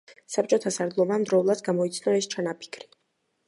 საბჭოთა სარდლობამ დროულად გამოიცნო ეს ჩანაფიქრი.